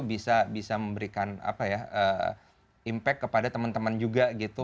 bisa bisa memberikan apa ya impact kepada temen temen juga gitu